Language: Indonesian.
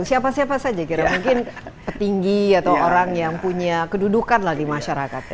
siapa siapa saja kira mungkin petinggi atau orang yang punya kedudukan lah di masyarakat